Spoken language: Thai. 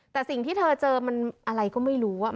แต่สิ่งที่เธอเจอมันอะไรก็ไม่รู้